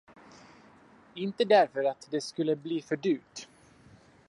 Inte därför att det skulle bli för dyrt.